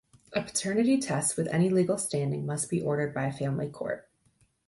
A paternity test with any legal standing must be ordered by a family court.